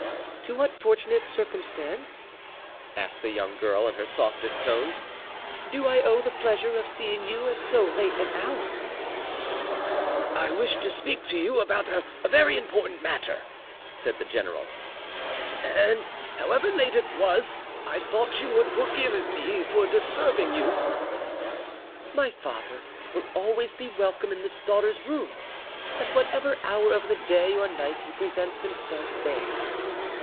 "To what fortunate circumstance," asked the young girl in her softest tones, "do I owe the pleasure of seeing you at so late an hour?" "I wished to speak to you about a very important matter," said the general, "and however late it was, I thought you would forgive me for disturbing you." "My father will always be welcome in his daughter's room, at whatever hour of the day or night he presents himself there."